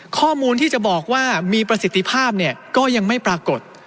ข้อมูลที่จะบอกว่ามีประสิทธิภาพก็ยังไม่ปรากฏ